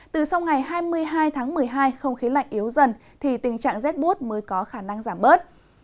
từ sau ngày hai mươi hai tháng một mươi hai không khí lạnh yếu dần thì tình trạng rét bút mới có khả năng giảm bớt